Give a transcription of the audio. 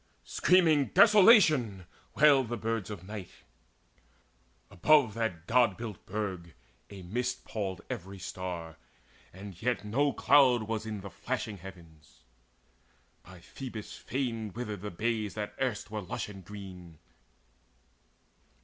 Screaming "Desolation!" wailed The birds of night. Above that God built burg A mist palled every star; and yet no cloud Was in the flashing heavens. By Phoebus' fane Withered the bays that erst were lush and green.